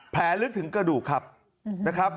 แผลลึกถึงกระดูกครับ